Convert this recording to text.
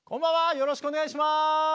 よろしくお願いします！